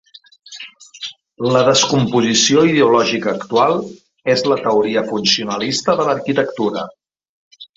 La descomposició ideològica actual és la teoria funcionalista de l'arquitectura.